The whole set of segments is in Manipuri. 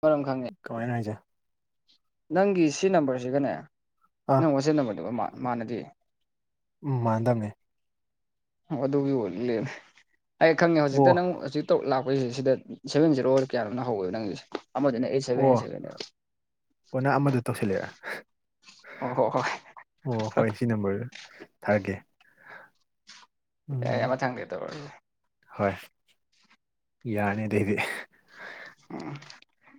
ꯃꯔꯝ ꯈꯪ ꯀꯃꯥꯏꯅ ꯍꯥꯏꯁꯦ ꯅꯪꯒꯤ ꯁꯤ ꯅꯝꯕꯔꯁꯤꯒꯅꯦ ꯑꯥ ꯅꯪ ꯋꯥꯆꯦꯞ ꯅꯝꯕꯔꯗꯨꯒ ꯃꯥ ꯃꯥꯟꯅꯗꯦ ꯎꯝ ꯃꯥꯟꯗꯃꯦ ꯑꯣ ꯑꯗꯨꯒꯤ ꯑꯣꯢ ꯂꯩꯔꯃꯦ ꯑꯩ ꯈꯪꯉꯦ ꯍꯧꯖꯤꯛꯇ ꯑꯣ ꯅꯪ ꯍꯧꯖꯤꯛ [unintelligible] ꯂꯥꯛꯄꯁꯦ ꯁꯤꯗ ꯁꯕꯦꯟ ꯖꯦꯔꯣ ꯀꯌꯥꯅꯣꯝꯃꯅ ꯍꯧꯕꯗꯣ ꯅꯪꯒꯤꯖꯦ ꯑꯃꯗꯨꯅ ꯑꯩ ꯑꯣ ꯑꯣ ꯅꯪ ꯑꯃꯗꯣ ꯇꯧꯁꯤꯜꯂꯤꯔ ꯑꯣ ꯍꯣ ꯍꯣꯏ ꯑꯣ ꯍꯣꯏ ꯁꯤ ꯅꯝꯕꯔꯗ ꯊꯥꯔꯛꯀꯦ ꯑꯦ ꯎꯝ ꯃꯊꯪꯗꯩ ꯇꯧꯔꯛ ꯑꯒꯦ ꯍꯣꯏ ꯌꯥꯅꯤꯗꯥ ꯑꯩꯗꯤ ꯎꯝ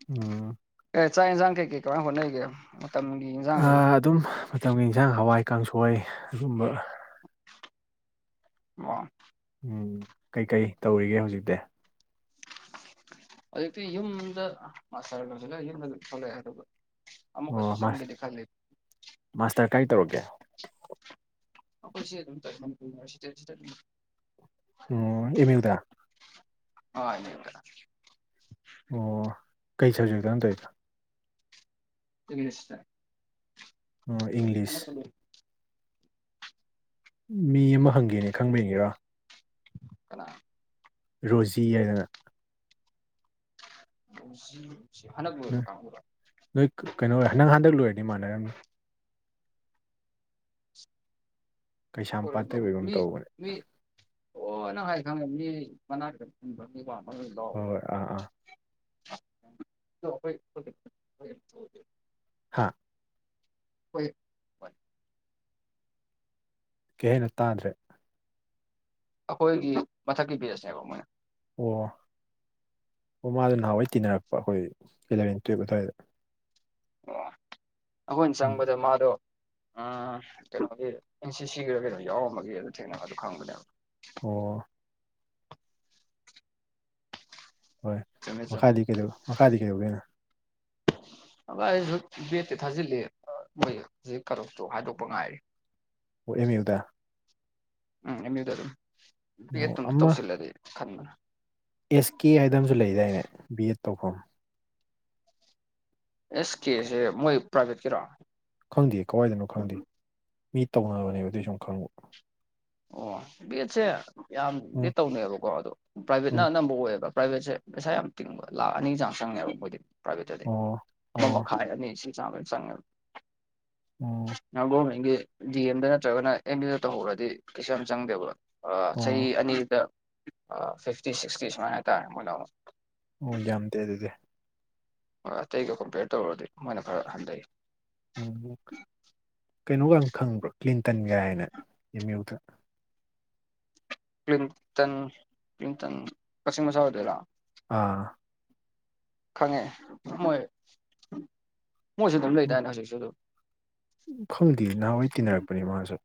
ꯎꯝ ꯑꯦ ꯆꯥꯛ ꯌꯦꯟꯁꯥꯡ ꯀꯩ ꯀꯩ ꯀꯃꯥꯏ ꯍꯣꯠꯅꯔꯤꯒꯦ ꯃꯇꯝꯒꯤ ꯏꯟꯖꯥꯡꯁꯤꯕꯨ ꯑꯥ ꯑꯗꯨꯝ ꯃꯇꯝꯒꯤ ꯏꯟꯁꯥꯡ ꯍꯋꯥꯏ ꯀꯥꯡꯁꯣꯏ ꯑꯗꯨꯒꯨꯝꯕ [unintelligible] ꯎꯝ ꯀꯩꯀꯩ ꯇꯧꯔꯤꯒꯦ ꯍꯧꯖꯤꯛꯇꯤ ꯍꯧꯖꯤꯛꯇꯤ ꯌꯨꯝꯗ ꯃꯥꯇꯔ ꯂꯣꯢꯁꯤꯂ ꯌꯨꯝꯗ ꯊꯣꯛꯂꯛꯑꯦ ꯑꯗꯨꯒ ꯑꯃꯨꯛꯀꯁꯨ ꯑꯣ ꯃꯥ ꯆꯪꯒꯦꯗꯤ ꯈꯜꯂꯤ ꯃꯥꯁꯇꯔ ꯀꯥꯏ ꯇꯧꯔꯛ ꯀꯦ ꯑꯈꯣꯢ ꯁꯤ ꯑꯗꯨꯝ ꯃꯅꯤꯄꯨꯔ ꯌꯨꯅꯤꯚꯔꯁꯤꯇꯤ [unintelligible] ꯑꯣ ꯑꯦꯝ ꯌꯨꯗꯥ ꯍꯣꯏ ꯑꯣ ꯀꯩ ꯁꯕꯖꯦꯛꯇ ꯅꯪ ꯇꯧꯋꯤꯗꯣ ꯏꯪꯂꯤꯁꯇ ꯑꯣ ꯏꯪꯂꯤꯁ ꯃꯤ ꯑꯃ ꯍꯪꯒꯦꯅꯦ ꯈꯪꯕ꯭ꯔ ꯌꯦꯡꯒꯦꯔꯣ ꯀꯅꯥ ꯔꯣꯖꯤ ꯍꯥꯏꯗꯅ ꯍꯟꯗꯛ ꯂꯣꯏꯕ ꯅꯣꯏ ꯀꯥꯡꯕꯨꯔꯣ ꯅꯣꯏ ꯀꯩꯅꯣ ꯅꯪ ꯍꯟꯗꯛ ꯂꯣꯏꯔꯗꯤ ꯃꯥꯟꯅꯔꯝꯅꯤ ꯀꯩꯁꯥꯝꯄꯥꯠꯇꯩ [unintelligible] ꯑꯣꯏꯒꯨꯝ ꯃꯤ ꯇꯧꯕꯅꯦ ꯃꯤ ꯑꯣ ꯅꯪ ꯍꯥꯏ ꯈꯪꯉꯦ ꯃꯤ ꯃꯅꯥ ꯈꯤꯇꯪ ꯐꯟꯕ [unintelligible] ꯃꯤ ꯋꯥꯡꯕ ꯑꯃ ꯍꯣꯏ ꯆꯥꯎꯕ ꯍꯣꯏ ꯑꯥ ꯑꯥ ꯑꯗꯣ ꯍꯣꯏ ꯍꯥꯥ ꯍꯣꯏ ꯀꯩ ꯍꯥꯏꯅꯣ ꯇꯥꯗ꯭ꯔꯦ ꯑꯈꯣꯏꯒꯤ ꯃꯊꯛꯀꯤ ꯕꯦꯖꯅꯦꯕ ꯃꯣꯏꯅ ꯑꯣ ꯑꯣ ꯃꯥꯗꯣ ꯅꯍꯥꯟꯋꯥꯏ ꯇꯤꯟꯅꯔꯛꯄ ꯑꯩꯈꯣꯏ ꯏꯂ‌ꯦꯚꯦꯟ ꯇꯨꯌꯦꯞ ꯑꯗꯨꯋꯥꯏꯗ ꯑꯣ ꯑꯈꯣꯏꯅ ꯎꯝ ꯆꯪꯕꯗ ꯃꯥꯗꯣ ꯑꯥ ꯀꯩꯅꯣꯒꯤ ꯑꯦꯟ ꯁꯤ ꯁꯤꯒꯤꯔ ꯀꯩꯅꯣ ꯌꯥꯎꯔꯝꯕꯒꯤ ꯑꯗꯨ ꯊꯦꯡꯅꯕꯅꯤ ꯑꯗꯨ ꯈꯪꯕꯅꯦꯕ ꯑꯣ ꯍꯣꯏ ꯆꯨꯝꯃꯦ ꯆꯨꯝꯃꯦ ꯃꯈꯥꯗꯤ ꯀꯩꯗꯧ ꯃꯈꯥꯗꯤ ꯀꯩꯗꯧꯒ‌ꯦ ꯍꯥꯏꯅ‌ꯣ ꯑꯚ ꯑꯩꯁꯨ ꯕꯦꯠꯇꯤ ꯊꯥꯖꯤꯜꯂꯤ ꯃꯣꯏ ꯍꯧꯖꯤꯛ ꯀꯩꯅꯣꯁꯨ ꯍꯥꯏꯗꯣꯛꯄ ꯉꯥꯏꯔꯤ ꯑꯣ ꯑꯦꯝ ꯌꯨꯗ ꯎꯝ ꯑꯦꯝ ꯌꯨꯗ ꯑꯗꯨꯝ ꯑꯣ ꯕꯦꯠꯇꯪ ꯑꯃ ꯇꯧꯁꯤꯂꯗꯤ ꯈꯟꯕ ꯑꯦꯁ ꯀꯦ ꯍꯥꯏꯗ ꯑꯃꯁꯨ ꯂꯩꯗꯥꯏꯅꯦ ꯕꯤ ꯑꯦꯗ ꯇꯧꯐꯝ ꯑꯦꯁ ꯀꯦꯁꯦ ꯃꯣꯏ ꯄ꯭ꯔꯥꯏꯚꯦꯠꯀꯤꯔꯣ ꯈꯪꯗꯦ ꯀꯋꯥꯏꯗꯅꯣ ꯈꯪꯗꯦ ꯃꯤ ꯇꯧꯅꯕꯅꯦꯕ ꯑꯗꯨꯏ ꯁꯨꯝ ꯈꯪꯕ ꯑꯣ ꯕ‌‌ꯦꯠꯁꯦ ꯌꯥꯝꯅꯗꯤ ꯎꯝ ꯇꯧꯅꯩꯌ‌ꯦꯕꯀꯣ ꯑꯗꯣ ꯄ꯭ꯔꯥꯏꯚꯦꯠꯅ ꯎꯝ ꯑꯅꯝꯕ ꯑꯣꯏꯌꯦꯕ ꯄ꯭ꯔꯥꯏꯚꯦꯠꯁꯦ ꯄꯩꯁꯥ ꯌꯥꯝ ꯇꯤꯡꯕ ꯂꯥꯛꯈ ꯑꯅꯤꯒꯤ ꯆꯥꯡ ꯆꯪꯉꯦꯕ ꯃꯣꯏꯗꯤ ꯄ꯭ꯔꯥꯏꯚꯦꯠꯇꯗꯤ ꯑꯣ ꯑꯃ ꯑꯣ ꯃꯈꯥꯏ ꯑꯅꯤ ꯁꯤ ꯆꯃꯦ ꯆꯉ ꯎꯝ ꯒꯣꯕꯔꯃꯦꯟꯒꯤ ꯗꯤ ꯑꯦꯝꯗ ꯅꯠꯇ꯭ꯔꯒꯅ ꯑꯦꯝ ꯌꯨ ꯗ ꯇꯧꯍꯧꯔꯗꯤ ꯀꯩꯁꯨ ꯌꯥꯝ ꯆꯪꯗꯦꯕ ꯆꯍꯤ ꯑꯣ ꯑꯅꯤꯗ ꯐꯤꯐꯇꯤ ꯁꯤꯛꯁꯇꯤ ꯁꯨꯃꯥꯏꯅ ꯍꯥꯏꯇꯥꯔꯦ ꯃꯣꯏꯅ ꯑꯃꯨꯛ ꯑꯣ ꯌꯥꯝꯗꯦ ꯑꯗꯨꯗꯤ ꯍꯣꯏ ꯑꯇꯩꯒ ꯀꯝꯄꯤꯌꯔ ꯇꯧꯔꯗꯤ ꯃꯣꯏꯅ ꯈꯔ ꯍꯟꯊꯩ ꯎꯝ ꯀꯩꯅꯣꯒ ꯈꯪꯕ꯭ꯔꯣ ꯀ꯭ꯂꯤꯟꯇꯟꯒꯥꯏꯅ ꯑꯦꯝ ꯌꯨꯗ ꯀ꯭ꯂꯤꯟꯇꯟ ꯀ꯭ꯂꯤꯟꯇꯟ ꯀꯛꯆꯤꯡ ꯃꯆꯥ ꯑꯣꯏꯗꯣꯏꯔ‌ꯣ ꯑꯥ ꯈꯪꯉꯦ ꯃꯣꯏ ꯃꯣꯏꯁꯨ ꯑꯗꯨꯝ ꯂꯩꯗꯥꯏꯅꯦ ꯍꯧꯖꯤꯛꯁꯨ ꯑꯗꯨꯝ ꯈꯪꯗꯦ ꯅꯍꯥꯟꯋꯥꯏ ꯇꯤꯟꯅꯔꯛꯄꯅꯤ ꯃꯥꯁꯨ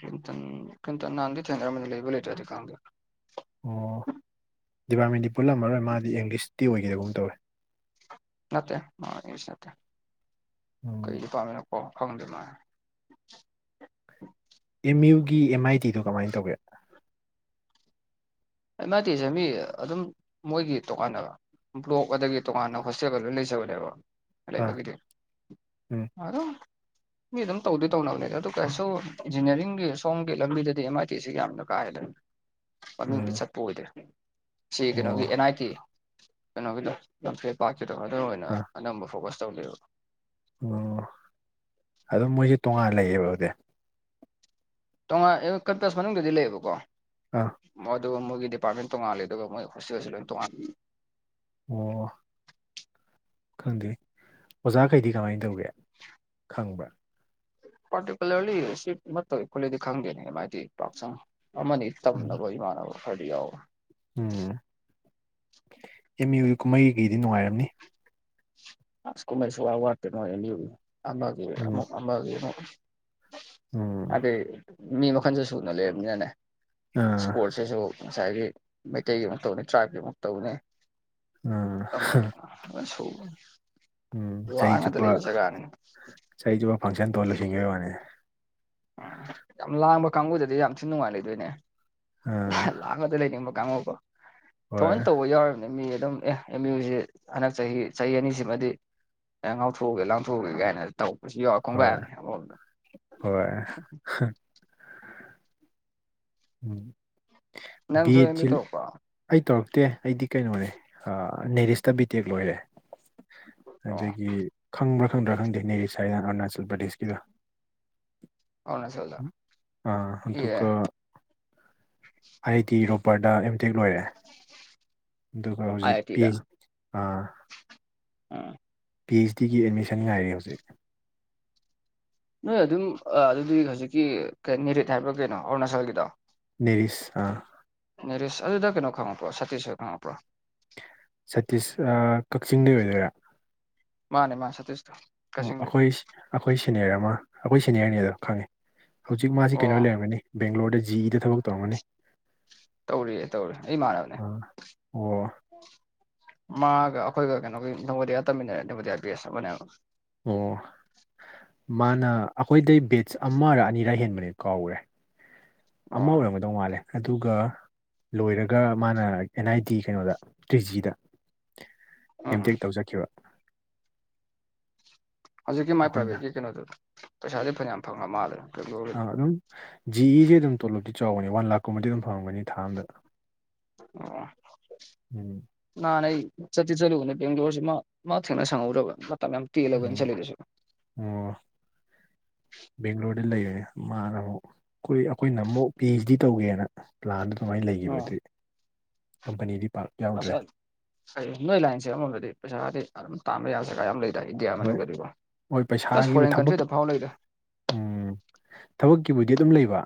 ꯀꯈꯤꯇꯟ ꯀꯤꯟꯇꯟꯅꯥꯥꯟ ꯊ ꯂꯩꯕ ꯂꯩꯥꯟꯗ ꯑꯣ ꯗꯤꯄꯥꯔꯠꯃꯦꯟꯗꯤ ꯄꯨꯜꯂꯝꯃꯔꯣꯏ ꯃꯥꯗꯤ ꯏꯪꯂꯤꯁꯇꯤ ꯑꯣꯏꯒꯗꯧꯕꯨꯝ ꯇꯧꯋꯦ ꯅꯠꯇꯦ ꯃꯥ ꯏꯪꯂꯤꯁ ꯅꯠꯇꯦ ꯎꯝ ꯀꯔꯤ ꯗꯤꯄꯥꯔꯠꯃꯦꯟꯅꯣ ꯈꯪꯗ‌ꯦ ꯃꯥ ꯑꯦꯝ ꯌꯨꯒꯤ ꯑꯦꯝ ꯑꯥꯏ ꯇꯤꯗꯣ ꯀꯃꯥꯏꯅ ꯇꯧꯒꯦ ꯑꯩ ꯃꯥꯗꯤ ꯆꯃꯤ ꯑꯗꯨꯝ ꯃꯣꯏꯒꯤ ꯇꯣꯀꯥꯟꯅꯕ ꯕ꯭ꯂꯣꯛ ꯑꯗꯒꯤ ꯇꯣꯉꯥꯟꯅ ꯍꯣꯁꯇꯦꯜꯒ ꯂꯣꯏ ꯂꯩꯖꯕꯅꯦꯕ ꯍ ꯑꯥ ꯂꯩꯕꯒꯗ ꯎꯝ ꯑꯔꯣ ꯃꯤ ꯑꯗꯨꯝ ꯇꯧꯗꯤ ꯇꯧꯅꯕꯅꯤꯗ ꯑꯗꯨ ꯀꯩꯁꯨ ꯏꯟꯖꯤꯅꯤꯌꯥꯔꯤꯡꯒꯤ ꯁꯣꯝꯒꯤ ꯂꯝꯕꯤꯗꯗꯤ ꯑꯦꯝ ꯑꯥꯏ ꯇꯤꯁꯤ ꯌꯥꯝꯅ ꯀꯥꯍꯦꯟꯅ ꯃꯃꯤꯡꯗꯤ ꯎꯝ ꯆꯠꯄ ꯑꯣꯏꯗ‌ꯦ ꯁꯤ ꯀꯩꯅꯣꯒꯤ ꯑꯣ ꯑꯦꯟ ꯑꯥꯏ ꯇꯤ ꯀꯩꯅꯣꯒꯤꯗ ꯂꯝꯐꯦ ꯄꯥꯛꯀꯤꯗꯣꯗ ꯑꯣꯏꯅ ꯑꯥ ꯑꯅꯝꯕ ꯐꯣꯀꯁ ꯇꯧꯋꯕ ꯑꯣ ꯑꯗꯨꯝ ꯃꯣꯏꯁꯦ ꯇꯣꯉꯥꯟ ꯂꯩꯌꯦꯦꯕ ꯑꯗꯨꯗꯤ ꯇꯣꯉꯥꯟ [unintelligible] ꯃꯅꯨꯡꯗꯗꯤ ꯂꯩꯌꯦꯕꯀꯣ ꯑꯥ ꯃꯗꯨ ꯃꯣꯏꯒꯤ ꯗꯤꯄꯥꯔꯠꯃꯦꯟ ꯇꯣꯡꯉꯥꯂꯦ ꯑꯗꯨꯒ ꯃꯣꯏ ꯍ‌ꯣꯁꯇ‌ꯦꯜꯁꯨ ꯂ‌ꯣꯏꯟ ꯇꯣꯉꯥꯜꯂ‌ꯦ ꯑꯣ ꯈꯪꯗꯦ ꯑꯣꯖꯥꯈꯩꯗꯤ ꯀꯃꯥꯏꯅ ꯇꯧꯒꯦ ꯈꯪꯕ꯭ꯔꯥ ꯄꯥꯇꯤꯀꯨꯂꯔꯂꯤ ꯁꯤ ꯃꯥꯇꯧꯏ ꯈ‌ꯣꯠꯂ‌ꯦꯗꯤ ꯈꯥꯡꯗꯦꯅ‌ꯦ ꯑꯝ ꯑꯥꯏ ꯇꯤ ꯄꯥꯛ ꯆꯡ ꯑꯃꯅꯤ ꯎꯝ ꯇꯝꯅꯕ ꯏꯃꯥꯟꯅꯕ ꯈꯔꯗꯤ ꯌꯥꯎꯋ‌ꯦ ꯎꯝ ꯑꯦꯝ ꯌꯨ ꯀꯨꯝꯍꯩꯩꯒꯤꯗꯤ ꯅꯨꯡꯉꯥꯏꯔꯝꯅꯤ ꯑꯁ ꯀꯨꯝꯍꯩ ꯁꯨꯋꯥꯠꯋꯥꯠꯇ‌ꯦ ꯅꯣꯏ ꯑꯝ ꯌꯨꯒꯤ ꯑꯃꯒꯤ ꯎꯝ ꯑꯃꯨꯛ ꯑꯃꯒꯤ ꯑꯃꯨꯛ ꯎꯝ ꯍꯥꯏꯗꯤ ꯃꯤ ꯃꯈꯜꯁꯨ ꯁꯨꯅ ꯂꯩꯔꯕꯅꯤꯅꯅꯦ ꯑꯥ ꯁ꯭ꯄꯣꯔꯠꯁꯤꯁꯨ ꯉꯁꯥꯏꯒꯤ ꯃꯩꯇꯩꯒꯤ ꯑꯃꯨ ꯇꯧꯅꯤ ꯇ꯭ꯔꯥꯏꯕꯀꯤ ꯑꯃꯨ ꯇꯧꯅꯤ ꯑꯥ ꯑꯃꯒꯤ ꯐꯟ ꯁꯨꯍꯧꯕꯅꯤ ꯎꯝ ꯆꯍꯤ ꯆꯨꯞꯄ ꯆꯍꯤ ꯆꯨꯞꯄ ꯐꯪꯁꯟ ꯇꯧ ꯂꯣꯏꯁꯤꯟꯒ ꯋꯥꯅꯦ ꯎꯝ ꯌꯥꯝ ꯂꯥꯡꯕ ꯀꯥꯡꯒꯨꯗꯗꯤ ꯌꯥꯝ ꯊꯤꯅ ꯅꯨꯡꯉꯥꯏ ꯂꯩꯗꯣꯏꯅꯦ ꯑꯥ ꯂꯥꯡꯒꯗ ꯂꯩꯅꯤꯡꯕ ꯀꯥꯡꯉꯀꯣ ꯍꯣꯏ ꯊꯑꯣꯅ ꯇꯧꯕ ꯌꯥꯎꯔꯤꯕꯅꯤ ꯑꯦꯝ ꯏ ꯑꯗꯨꯝ ꯑꯦ ꯑꯦꯝ ꯌꯨꯁꯤ ꯍꯟꯗꯛ ꯆꯍꯤ ꯆꯍꯤ ꯑꯅꯤꯁꯤꯃꯗꯤ ꯑꯦ ꯉꯥꯎꯊꯣꯛꯎꯒꯦ ꯂꯥꯡꯊꯣꯛꯎꯒꯦ ꯀꯥꯏꯅ ꯇꯧꯕꯧꯕꯁꯨ ꯌꯥꯎꯋ ꯍꯣꯏ ꯈꯣꯡꯒꯥꯏꯔꯅꯤ ꯑꯃꯝꯗ ꯍꯣꯏ ꯎꯝ ꯕꯤ ꯅꯪꯁꯨ ꯑꯦꯝ ꯌꯨ ꯑꯦꯠꯁꯤ ꯇꯧꯔꯛꯄ꯭ꯔꯣ ꯑꯩ ꯇꯧꯔꯛꯇꯦ ꯑꯩꯗꯤ ꯀꯩꯅꯣꯅꯦ ꯅꯦꯔꯤꯁꯇ ꯕꯤ ꯇꯦꯛ ꯂꯣꯏꯔꯦ ꯑꯣ ꯑꯗꯒꯤ ꯈꯪꯕ꯭ꯔꯥ ꯈꯪꯗ꯭ꯔꯥ ꯈꯪꯗꯦ ꯅꯦꯔꯤꯁ ꯍꯥꯏ ꯑꯔꯨꯅꯥꯆꯜ ꯄ꯭ꯔꯗꯦꯁꯀꯤꯗꯨ ꯑꯔꯨꯅꯥꯆꯜꯗ ꯑ ꯑꯦ ꯑꯗꯨꯀ ꯑꯥꯏ ꯑꯥꯏ ꯑꯥꯏ ꯇꯤ ꯔꯣꯄꯔꯗ ꯑꯦꯝꯇꯦꯛ ꯂꯣꯏꯔꯦ ꯑꯗꯨꯒ ꯍꯧꯖꯤꯛ ꯑꯥꯏ ꯄꯤ ꯇꯤꯗ ꯑ‌ꯦꯖ ꯑꯥ ꯎꯝ ꯄꯤ ꯑ‌ꯦꯖ ꯗꯤꯒꯤ ꯑꯦꯗꯃꯤꯁꯟ ꯉꯥꯏꯔꯤ ꯍꯧꯖꯤꯛ ꯅꯣꯏ ꯑꯗꯨꯝ ꯑꯗꯨꯗꯤ ꯍꯧꯖꯤꯛꯀꯤ ꯀ ꯅꯦꯔꯤꯠ ꯍꯥꯏꯕ ꯀꯩꯅꯣ ꯑꯔꯨꯅꯥꯆꯜꯒꯤꯗꯣ ꯅꯦꯔꯤꯁ ꯑꯥ ꯅꯦꯔꯤꯁ ꯑꯗꯨꯗ ꯀꯩꯅꯣ ꯈꯪꯉꯛꯄ꯭ꯔꯣ ꯁꯇꯤꯁ ꯁꯣꯏ ꯈꯪꯉꯛꯄ꯭ꯔꯣ ꯁꯇꯤꯁ ꯑꯥ ꯀꯛꯆꯤꯡꯗꯩ ꯑꯣꯏꯗꯣꯏꯔꯥ ꯃꯥꯅꯦ ꯃꯥꯁ ꯇꯁꯣ ꯑꯣ ꯑꯩꯈꯣꯏ ꯑꯩꯈꯣꯏ ꯁꯦꯅꯤꯌꯔ ꯑꯃ ꯑꯩꯈꯣꯏ ꯁꯦꯅꯤꯌꯔꯅꯤ ꯑꯗꯣ ꯈꯪꯉꯦ ꯍꯧꯖꯤꯛ ꯃꯥꯁꯤ ꯑꯣ ꯀꯩꯅꯣ ꯂꯩꯔꯝꯃꯅꯤ ꯕꯦꯡꯒ꯭ꯂꯣꯔꯗ ꯖꯤ ꯏꯗ ꯊꯕꯛ ꯇꯧꯔꯝꯃꯅꯤ ꯇꯧꯔꯤꯌꯦ ꯇꯧꯔꯤꯌ‌ꯦ ꯑꯩ ꯏꯃꯥꯅꯕꯅꯤ ꯑꯣ ꯃꯥꯒ ꯑꯩꯈꯣꯏꯒ ꯀꯩꯅꯣꯒꯤ ꯅꯪꯒꯣꯗꯤꯌꯥ ꯇꯝꯃꯤꯟꯅꯔꯦ ꯅꯃꯣꯗꯤꯌꯥ ꯦꯁ ꯑꯃꯅꯦꯕ ꯑꯣ ꯃꯥꯅ ꯑꯩꯈꯣꯏꯗꯩ ꯕꯦꯠꯁ ꯑꯃꯔ ꯑꯅꯤꯔ ꯍꯦꯟꯕꯅꯦ ꯀꯥꯎꯈ꯭ꯔꯦ ꯑꯃ ꯑꯣ ꯑꯣꯏꯔꯝꯒꯗꯧ ꯃꯥꯜꯂꯦ ꯑꯗꯨꯒ ꯂꯣꯏꯔꯒ ꯃꯥꯅ ꯑꯦꯟ ꯑꯥꯏ ꯇꯗꯤ ꯀꯩꯅꯣꯗ ꯇ꯭ꯔꯤ ꯖꯤꯗ ꯎꯝ ꯑꯦꯝꯇꯦꯛ ꯇꯧ ꯆꯠꯈꯤꯕ ꯍꯧꯖꯤꯛꯀꯤ ꯃꯥꯏ ꯑꯩꯈꯣꯏꯅ ꯄ꯭ꯔꯥꯏꯚꯦꯠꯀꯤ ꯀꯩꯅꯣꯗꯣ ꯄꯩꯁꯥꯗꯤ ꯐꯅꯌꯥꯝ ꯐꯪꯉ ꯃꯥꯜꯂ‌ꯦ ꯑꯥ ꯑꯗꯨꯝ ꯖꯤꯁꯦ ꯑꯗꯨꯝ ꯇꯣꯂꯣꯞꯇꯤ ꯆꯥꯎꯒꯅꯤ ꯋꯥꯟ ꯂꯥꯛꯀꯨꯝꯕꯗꯤ ꯑꯗꯨꯝ ꯐꯪꯒꯅꯤ ꯊꯥ ꯑꯝꯗ ꯑꯣ [inaudible] ꯅꯍꯥꯟ ꯑꯩ ꯆꯠꯇꯤ ꯆꯠꯂꯨꯕꯅꯦ ꯕꯦꯡꯒ꯭ꯂꯣꯔꯁꯤꯦ ꯃꯥ ꯊꯦꯡꯅ ꯁꯪꯍꯧꯔꯕ ꯃꯇꯝ ꯌꯥꯝ ꯇꯦꯜꯂꯕꯅ ꯎꯝ ꯆꯠꯂꯤꯗꯁꯨ ꯑꯣ ꯕꯦꯡꯒꯂꯣꯔꯗ ꯂꯩꯔꯦ ꯃꯥꯅ ꯑꯃꯨꯛ ꯑꯩꯈꯣꯏ ꯑꯩꯈꯣꯏꯅ ꯑꯃꯨꯛ ꯄꯤ ꯑ‌ꯦꯖ ꯗꯤ ꯇꯧꯒꯦꯅ ꯄ꯭ꯂꯥꯟꯗꯨ ꯑꯗꯨꯃꯥꯏꯅ ꯂꯩꯈꯤꯕ ꯑꯣ ꯑꯗꯨꯏ ꯀꯝꯄꯅꯤꯗꯤ ꯄꯥꯛ ꯌꯥꯎꯗ꯭ꯔꯦ ꯑꯁꯥ ꯑꯩ ꯅꯣꯏ ꯂꯥꯏꯟꯁꯦ ꯑꯃꯃꯝꯗꯗꯤ ꯄꯩꯁꯥꯗꯤ ꯑꯗꯨꯝ ꯇꯥꯟꯕ ꯌꯥꯁ ꯀ ꯌꯥꯝ ꯂꯩ ꯏꯟꯗꯤꯌꯥ ꯍꯣꯏ ꯃꯅꯨꯡꯗꯗꯤꯀꯣ ꯍꯣꯏ ꯄ꯭ꯂꯁ ꯄꯩꯁꯥꯒꯤꯕꯨ ꯐꯣꯔꯦꯟ ꯊꯕꯛ ꯀꯟꯇ꯭ꯔꯤꯗ ꯐꯥꯎ ꯂꯩꯗ ꯎꯝ ꯊꯕꯛꯀꯤꯕꯨꯗꯤ ꯑꯗꯨꯝ ꯂꯩꯕ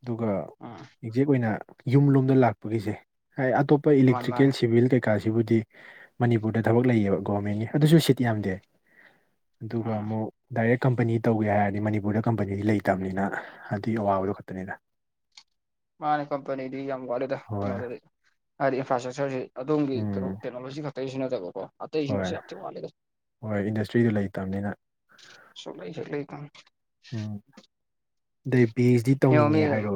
ꯑꯗꯨꯒ ꯑꯥ ꯑꯦꯛꯖꯦꯛ ꯑꯣꯏꯅ ꯌꯨꯝ ꯂꯣꯝꯗ ꯂꯥꯛꯄꯒꯤꯁꯦ ꯍꯥꯏ ꯑꯇꯣꯞꯄ ꯃꯥꯅꯤ ꯃꯥꯅꯤ ꯏꯂꯦꯛꯇ꯭ꯔꯤꯀꯦꯜ ꯁꯤꯚꯤꯜ ꯀꯩ ꯀꯥꯁꯤꯕꯨꯗꯤ ꯃꯅꯤꯄꯨꯔꯗ ꯊꯕꯛ ꯂꯩꯌꯦꯕ ꯒꯣꯃꯦꯟꯒꯤ ꯑꯗꯨꯁꯨ ꯁꯤꯠ ꯌꯥꯝꯗꯦ ꯑꯗꯨꯒ ꯎꯝ ꯑꯃꯨꯛ ꯗꯥꯏꯔꯦꯛ ꯀꯝꯄꯅꯤ ꯇꯧꯒꯦ ꯍꯥꯏꯔꯗꯤ ꯃꯅꯤꯄꯨꯔꯗ ꯀꯝꯄꯅꯤꯗꯤ ꯂꯩꯇꯕꯅꯤꯅ ꯑꯗꯨꯏ ꯑꯋꯥꯕꯗꯨꯣ ꯈꯛꯇꯅꯤꯗ ꯃꯥꯅꯤ ꯀꯝꯄꯅꯤꯗꯤ ꯌꯥꯝ ꯋꯥꯠꯂꯤꯗ ꯍꯣꯏ ꯀꯩꯅꯣꯗꯗꯤ ꯍꯥꯏꯗꯤ ꯏꯟꯐ꯭ꯔꯥꯁ ꯁꯇ꯭ꯔꯛꯆꯔꯁꯤ ꯑꯗꯣꯝꯒꯤ ꯎꯝ ꯀꯩꯅꯣ ꯇꯦꯛꯅꯣꯂꯣꯖꯤ ꯈꯛꯇꯒꯤꯁꯨ ꯅꯠꯇꯕꯀꯣ ꯍꯣꯏ ꯑꯇꯩꯁꯤꯡꯗꯁꯨ ꯌꯥꯝ ꯊꯤꯟ ꯋꯥꯠꯂꯤꯗ ꯍꯣꯏ ꯏꯟꯗꯁꯇ꯭ꯔꯤꯗꯣ ꯂꯩꯇꯕꯅꯤꯅ ꯁꯨꯛ ꯂꯩꯥ ꯍ‌ꯦꯛ ꯂꯩꯇꯝ ꯎꯝ ꯑꯗꯩ ꯕꯤ ꯑꯩꯆ ꯗꯤ ꯌꯦꯡꯉꯣ ꯇꯧꯅꯤꯡꯉꯦ ꯃꯤ ꯍꯥꯏꯔꯣ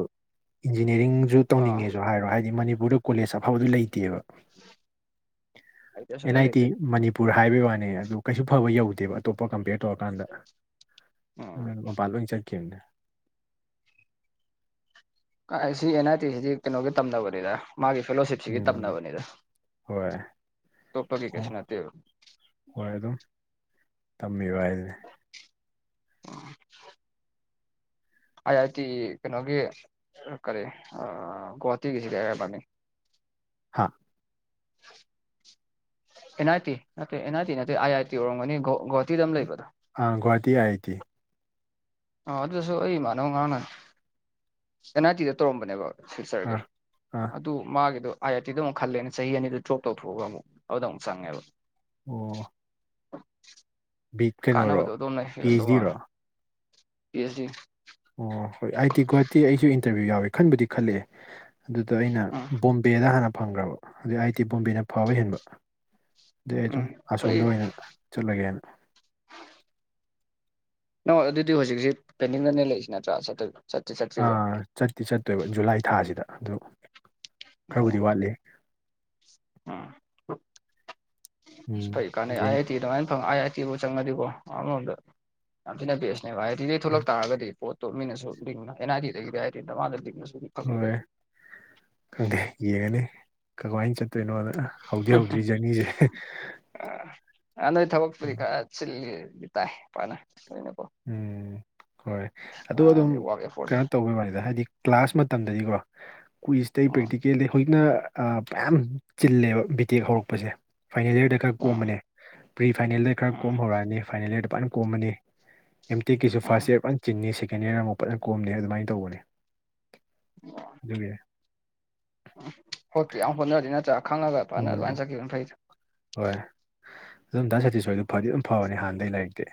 ꯏꯟꯖꯤꯅꯤꯌꯥꯔꯤꯡꯁꯨ ꯑꯥ ꯇꯧꯅꯤꯡꯉꯦꯁꯨ ꯍꯥꯏꯔꯣ ꯍꯥꯏꯗꯤ ꯃꯅꯤꯄꯨꯔꯗ ꯀꯣꯂꯦꯖ ꯑꯐꯕꯗꯨ ꯂꯩꯇꯦꯕ ꯂꯩꯇꯦ ꯑꯦꯟ ꯁꯨꯛꯂꯩ ꯑꯥꯏ ꯇꯤ ꯂꯩꯇꯦ ꯃꯅꯤ ꯄꯨꯔ ꯍꯥꯏꯕꯩ ꯋꯥꯅꯤ ꯑꯗꯨ ꯀꯩꯁꯨ ꯐꯕ ꯌꯧꯗꯦꯕ ꯑꯇꯣꯞꯄ ꯀꯝꯄꯦꯌꯔ ꯇꯧꯔꯀꯥꯟꯗ ꯎꯝ ꯄꯜꯂꯣꯏ ꯆꯠꯀꯤꯈꯤꯕꯅꯦ ꯀꯥꯏ ꯁꯤ ꯑꯦꯟ ꯑꯥꯏ ꯇꯤ ꯁꯤꯗꯤ ꯀꯩꯅꯣꯒꯤ ꯇꯝꯅꯕꯅꯤꯗ ꯃꯥꯒꯤ ꯐꯦꯂꯣꯁꯤꯞ ꯎꯝ ꯍꯣꯏ ꯇꯣ ꯄꯒꯤ ꯀꯩꯁꯤ ꯅꯅꯥꯠꯇ ꯍꯣꯏ ꯑꯗꯨꯝ ꯇꯝꯕꯤꯕꯨ ꯍꯥꯏꯁꯤꯅꯦ ꯑꯥꯏ ꯑꯥꯏ ꯇꯤ ꯀꯩꯅꯣꯒꯤ ꯀꯔꯤ ꯒꯧꯍꯥꯇꯤꯒꯤ ꯁꯤꯗꯤ ꯍꯥꯏꯔꯕꯅꯤ ꯍꯥꯥ [inaudible] ꯑꯦꯟ ꯑꯥꯏ ꯇꯤ ꯅꯠꯇꯦ ꯑꯦꯟ ꯑꯥꯏ ꯇꯤꯠꯇꯦ ꯑꯥꯏ ꯑꯥꯏ ꯇꯤꯔꯝꯒꯅꯤ ꯒꯍꯇꯤ ꯑꯃ ꯂꯩꯕꯗꯣ ꯑꯥꯒꯍꯇꯤ ꯑꯥꯏꯑꯥꯏꯇꯤ ꯑꯣ ꯑꯗꯨꯁꯨ ꯑꯩ ꯏꯃꯥꯟꯅꯕ ꯑꯉꯥꯡꯅ ꯑꯦꯟ ꯑꯥꯔ ꯇꯤꯗ ꯇꯧꯔꯝꯕꯅꯦꯕꯣ ꯁꯤꯜ ꯑꯥ ꯆꯔꯒꯩ ꯑꯥ ꯑꯗꯨ ꯃꯥꯒꯤꯗꯣ ꯑꯥꯏ ꯑꯥꯏ ꯇꯤꯗꯣ ꯑꯃꯨꯛ ꯈꯜꯂꯦꯅ ꯆꯍꯤ ꯑꯅꯤꯗꯨ ꯗ꯭ꯔꯣꯞ ꯇꯧꯊꯣꯛꯒ ꯑꯃꯨꯛ ꯑꯗꯨꯗ ꯑꯃꯨꯛ ꯆꯪꯉꯦꯕ ꯑꯣ ꯕꯤ ꯀꯩꯅꯣꯔꯣ ꯀꯥꯟꯅꯕꯗꯣ ꯑꯗꯨꯣꯝ ꯂꯩ ꯄꯤ ꯑꯩꯆ ꯐꯤꯗꯧ ꯗꯤꯔꯣ ꯃꯥꯅ ꯄꯤ ꯑꯩꯆ ꯗꯤ ꯑꯣ ꯍꯣꯏ ꯑꯩꯗꯤ ꯒꯨꯍꯥꯇꯤ ꯑꯩꯁꯨ ꯏꯟꯇꯔꯚꯤꯌꯨ ꯌꯥꯎꯋꯦ ꯈꯟꯕꯨꯗꯤ ꯈꯜꯂꯛꯑꯦ ꯑꯗꯨꯗ ꯑꯩꯅ ꯎꯝ ꯕꯣꯝꯕꯦꯗ ꯍꯥꯟꯅ ꯐꯪꯈ꯭ꯔꯕ ꯑꯗꯨꯩ ꯑꯥꯏ ꯇꯤ ꯕꯣꯝꯕꯦꯅ ꯐꯕ ꯍꯦꯟꯕ ꯑꯗꯨ ꯑꯩ ꯎꯝ ꯑꯗꯨꯝ ꯐꯩ ꯑꯁꯣꯝꯗ ꯑꯣꯏꯅ ꯆꯠꯂꯒꯦꯅ ꯅ ꯑꯗꯨꯗꯤ ꯍꯧꯖꯤꯛꯁꯤ ꯄꯦꯟꯅꯤꯡꯡꯗꯅꯦ ꯂꯩꯔꯤꯁꯤ ꯅꯠꯇ꯭ꯔꯥ ꯆꯠꯇ ꯆꯠꯇꯤ ꯆꯠꯇꯣꯏꯕ ꯖꯨꯂꯥꯏ ꯊꯥꯁꯤꯗ ꯑꯗꯨ ꯑꯣ ꯈꯔꯕꯨꯗꯤ ꯋꯥꯠꯂꯤ ꯎꯝ ꯎꯝ ꯐꯩ ꯀꯥꯟꯅꯩ ꯑ ꯌꯦꯡ ꯑꯥꯏ ꯇꯤ ꯑꯗꯨꯃꯥꯏꯅ ꯐꯪ ꯇꯤꯕꯨ ꯆꯪꯉꯗꯤꯀꯣ ꯑꯃꯔꯣꯝꯗ ꯌꯥꯝ ꯊꯤꯅ ꯕꯦꯁꯅꯦ ꯚ ꯍꯥꯏꯗꯤꯗꯒꯤ ꯊꯣꯛꯂꯛ ꯇꯥꯔꯒꯗꯤ ꯄꯣꯠ ꯇꯃꯤꯅꯁꯨꯅ ꯑꯦꯅꯥ ꯑꯗꯤꯗꯒꯤꯗꯤ ꯍꯥꯏꯔꯤ ꯃꯥꯁꯨ ꯍꯣꯏ ꯈꯪꯗꯦ ꯌꯦꯡꯒꯅꯤ ꯀꯃꯥꯏꯅ ꯆꯠ ꯀꯩꯅꯣꯗ ꯍꯧꯗꯤ ꯍꯧꯗ꯭ꯔꯤ ꯖꯔꯅꯤꯁꯦ ꯑ ꯅꯣꯏ ꯊꯕꯛꯛꯇꯨꯔꯤ ꯈꯔ ꯁꯤꯜꯂꯤꯗꯤ ꯇꯥꯏꯄꯥꯅ ꯅꯣꯏꯅꯀꯣ ꯎꯝ ꯍꯣꯏ ꯑꯗꯨ ꯑꯗꯨꯝ ꯐꯅꯗꯤ ꯋꯥꯔꯛ ꯀꯩꯅꯣ ꯑꯦꯐꯣꯔꯠꯁꯦ ꯇꯧꯕꯩ ꯋꯥꯅꯤꯗ ꯍꯥꯏꯗꯤ ꯀ꯭ꯂꯥꯁ ꯃꯇꯝꯗꯗꯤꯀꯣ ꯑꯩꯣꯏ ꯏꯁꯇꯩꯏ ꯎꯝ ꯄꯦꯛꯇꯔꯤꯀꯦꯜ ꯍꯧꯖꯤꯛꯅ ꯃꯌꯥꯝ ꯆꯤꯜꯂꯦꯕ ꯕꯤ ꯇꯦꯛ ꯍꯧꯔꯛꯄꯁꯦ ꯐꯥꯏꯅꯦ ꯌꯔꯗ ꯈꯔ ꯎꯝ ꯀꯣꯝꯕꯅꯤ ꯄ꯭ꯔꯤ ꯐꯥꯏꯅꯦꯜꯗꯩ ꯈꯔ ꯎꯝ ꯀꯣꯝ ꯍꯧꯔꯛꯑꯅꯤ ꯐꯥꯏꯅꯦꯜꯗ ꯂꯨꯄꯥꯥꯏꯅ ꯀꯣꯝꯃꯅꯤ ꯑꯦꯝꯇꯦꯛꯀꯤꯁꯨ ꯎꯝ ꯐꯥꯔꯁ ꯏꯌꯔ ꯐꯖꯅ ꯆꯤꯟꯅꯅꯤ ꯁꯦꯀꯦꯟ ꯏꯌꯔ ꯑꯃꯨꯛ ꯐꯖꯅ ꯀꯣꯝꯅꯤ ꯑꯗꯨꯃꯥꯏꯅ ꯇꯧꯕꯅꯤ ꯑꯗꯨ ꯎꯝ ꯍꯣꯠꯇꯤ ꯌꯥꯝ ꯍꯣꯠꯅꯔꯗꯤ ꯅꯠꯇ꯭ꯔꯥ ꯈꯪꯉꯒ ꯐꯖꯅ ꯎꯝ ꯑꯗꯨꯃꯥꯏꯅ ꯆꯠꯈꯤꯕ ꯐꯩꯁꯦ ꯍꯣꯏ ꯑꯗꯨ ꯑꯝꯇ ꯁꯦꯇꯤꯁꯐꯥꯏꯗꯣ ꯐꯗꯤ ꯑꯗꯨꯝ ꯐꯕꯅꯤ ꯍꯥꯟꯅꯗꯒꯤꯩ ꯂꯩꯔꯤꯛꯇꯤ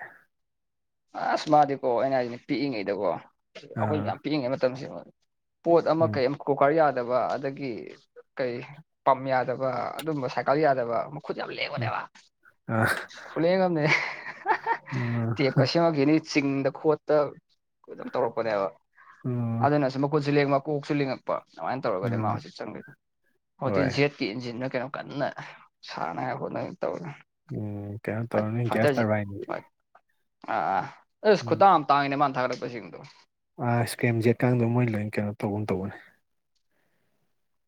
ꯑꯁ ꯃꯥꯗꯤꯀꯣ ꯑꯩꯅ ꯍꯥꯏꯅꯦ ꯄꯤꯛꯏꯉꯩꯗꯀꯣ ꯑꯩꯈꯣꯏ ꯑꯥ ꯌꯥꯝ ꯄꯤꯛꯏꯉꯩ ꯃꯇꯝꯁꯤ ꯄꯣꯠ ꯑꯃ ꯎꯝ ꯀꯩꯝ ꯀꯨꯀꯔ ꯌꯥꯗꯕ ꯑꯗꯒꯤ ꯀꯩ ꯄꯝ ꯌꯥꯗꯕ ꯑꯗꯨꯝꯕ ꯁꯥꯏꯀꯜ ꯌꯥꯗꯕ ꯈꯨ ꯌꯥꯝ ꯑꯥ ꯂꯦꯉꯣꯅꯦꯕ ꯈꯨꯂꯦꯝꯃꯅꯦ ꯎꯝ ꯁꯤꯅꯤ ꯆꯤꯡꯗ ꯈꯣꯠꯇ ꯑꯗꯨꯝ ꯇꯧꯔꯛꯄꯅꯦꯕ ꯎꯝ ꯑꯗꯨꯅꯁꯨ ꯃꯈꯨꯠꯁꯨ ꯂꯦꯡ ꯃꯀꯣꯛꯁꯨ ꯂꯤꯡꯉꯛꯄ ꯑꯗꯨꯃꯥꯏꯅ ꯇꯧꯔꯒꯗꯤ ꯃꯥ ꯑꯥ ꯍꯧꯖꯤꯛ ꯆꯪꯒꯦꯗ ꯍꯣꯏ ꯍꯧꯖꯤꯛ ꯦꯠ ꯀꯦꯟꯁꯤꯟꯗꯨ ꯀꯩꯅꯣꯝ ꯀꯟꯅ ꯁꯥꯟꯅꯉꯥꯏ ꯍꯣꯠꯅꯕ ꯇꯧꯔꯦ ꯎꯝ ꯀꯩꯅꯣ ꯇꯧꯔ ꯅꯣꯏ ꯭ꯌꯥꯁ ꯇꯧꯔꯕꯥꯏꯅꯦꯗꯤ ꯑꯥ ꯑꯥ ꯑꯁ ꯈꯨꯇꯥ ꯑꯃ ꯇꯥꯡꯉꯤꯅꯦ ꯃꯥꯅ ꯊꯥꯒꯠꯂꯛꯄꯁꯤꯡꯗꯣ ꯑ ꯏꯁꯀꯦꯝ ꯖꯦꯠꯀ ꯀꯥꯡꯗꯣ ꯃꯣꯏ ꯂꯣꯏ ꯀꯩꯅꯣ ꯇꯧꯒꯨꯝ ꯇꯧꯕꯅꯤ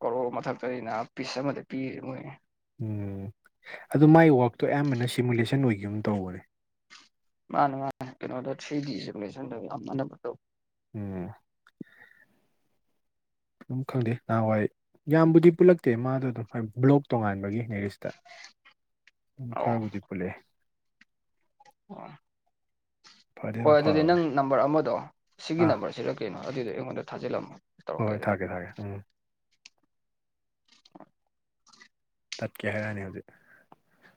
ꯀꯣꯔ ꯃꯊꯛꯇꯅꯤꯅ ꯄꯤꯁ ꯑꯃꯗ ꯄꯤ‌ꯃꯣꯏ ꯎꯝ ꯑꯗꯨ ꯃꯥꯏ ꯋꯥꯛꯇꯣ ꯑꯌꯥꯝꯕꯅ ꯁꯤꯃꯨꯂꯦꯁꯟ ꯑꯣꯏꯈꯤꯕꯨꯝ ꯇꯧꯕꯅꯦ ꯃꯥꯅꯦ ꯃꯥꯅꯦ ꯀꯩꯅꯣꯗ ꯊ꯭ꯔꯤ ꯗꯤ ꯏꯖꯀꯨꯂꯦꯁꯟꯗ ꯌꯥꯝ ꯃꯥꯟꯅꯕ ꯇꯧꯋ ꯎꯝ ꯑꯗꯨꯝ ꯈꯪꯗꯦ ꯅꯍꯥꯟꯋꯥꯏ ꯌꯥꯝꯕꯨꯗꯤ ꯄꯨꯜꯂꯛꯇꯦ ꯃꯥꯗꯣ ꯑꯗꯨꯝ ꯕ꯭ꯂꯣꯛ ꯇꯣꯉꯥꯟꯕꯒꯤꯅꯦꯔꯤꯁꯦ ꯑꯣ ꯈꯔꯕꯨꯗꯤ ꯄꯨꯜꯂꯛꯑꯦ ꯑꯣ ꯐꯗꯤ ꯍꯣꯏ ꯑꯗꯨꯝ ꯑꯗꯨꯗꯤ ꯅꯪ ꯐꯕꯅꯦ ꯅꯝꯕꯔ ꯑꯃꯗꯣ ꯁꯤꯒꯤ ꯑꯥ ꯅꯝꯕꯔꯁꯤꯗ ꯀꯩꯅꯣ ꯑꯗꯨꯗꯣ ꯑꯩꯉꯣꯟꯗ ꯊꯥꯖꯤꯜꯂꯝꯃꯣ ꯇꯧꯔꯛꯀꯦ ꯍꯣꯏ ꯑꯗꯨꯗ ꯊꯒꯦ ꯊꯒꯦ ꯎꯝ ꯇꯠꯀꯦ ꯍꯥꯏꯔꯛꯅꯤ ꯍꯧꯖꯤꯛ